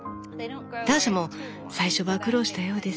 ターシャも最初は苦労したようです。